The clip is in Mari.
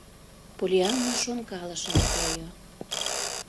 Поллианна шонкалышын койо.